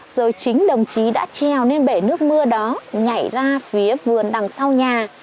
rồi chính đồng chí đã treo lên bể nước mưa đó nhảy ra phía vườn đằng sau nhà